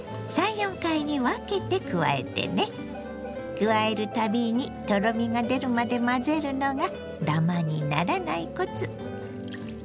加える度にとろみが出るまで混ぜるのがダマにならないコツ。